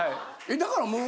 だからもう。